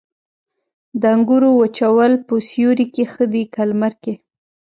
د انګورو وچول په سیوري کې ښه دي که لمر کې؟